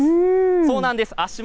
そうなんです。